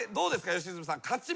良純さん。